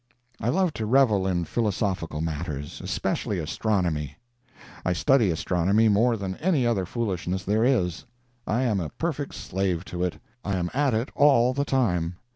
I love to revel in philosophical matters—especially astronomy. I study astronomy more than any other foolishness there is. I am a perfect slave to it. I am at it all the time.